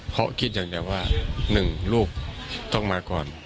เพราะคิดอย่างเดียวว่า๑ลูกต้องมาก่อน